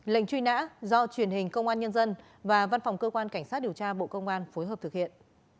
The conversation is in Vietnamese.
lệnh truy nã do truyền hình công an nhân dân và văn phòng cơ quan cảnh sát điều tra bộ công an phối hợp thực hiện